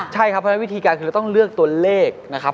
ใช่ครับเพราะฉะนั้นวิธีการคือต้องเลือกตัวเลขนะครับ